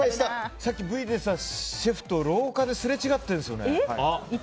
さっきＶに出てたシェフと廊下ですれ違ったんです。